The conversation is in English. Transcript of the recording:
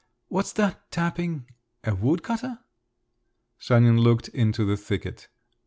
What's that tapping? A wood cutter?" Sanin looked into the thicket.